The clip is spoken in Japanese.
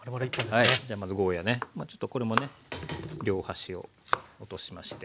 ちょっとこれもね両端を落としまして。